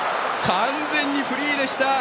完全にフリーでした！